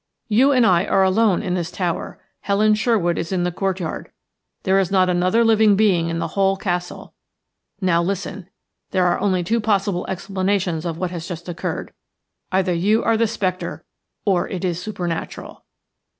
"You and I are alone in this tower. Helen Sherwood is in the courtyard. There is not another living being in the whole castle. Now listen. There are only two possible explanations of what has just occurred. Either you are the spectre, or it is supernatural."